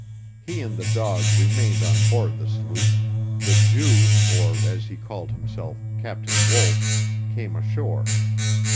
He and the dog remained on board the sloop; the Jew, or, as he called himself, Captain Wolf, came ashore.